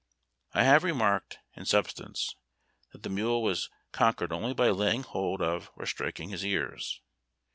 I have remarked, in substance, that the mule was con quered only by laying hold of or striking his ears.